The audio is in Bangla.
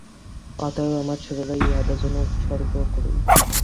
অতএব আমার শরীরও ইঁহাদের জন্য উৎসর্গ করি।